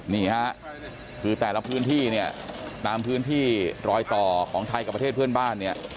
นี่ฮะคือแต่ละพื้นที่เนี่ยตามพื้นที่รอยต่อของไทยกับประเทศเพื่อนบ้านเนี่ย